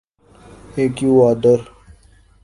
Ecuador